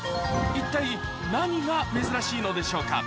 一体何が珍しいのでしょうか？